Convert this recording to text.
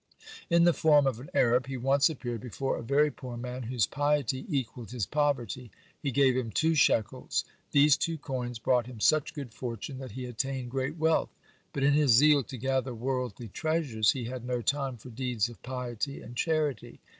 (57) In the form of an Arab, he once appeared before a very poor man, whose piety equalled his poverty. He gave him two shekels. These two coins brought him such good fortune that he attained great wealth. But in his zeal to gather worldly treasures, he had no time for deeds of piety and charity.